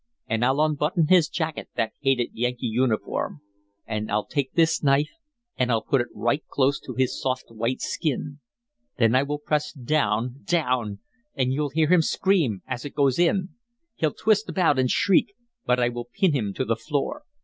And I'll unbutton his jacket, that hated Yankee uniform. And I'll take this knife and I'll put it right close to his soft, white skin. Then I will press down down! And you'll hear him scream as it goes in; he'll twist about and shriek, but I will pin him to the floor.